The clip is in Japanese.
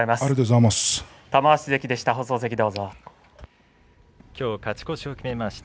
玉鷲関でした。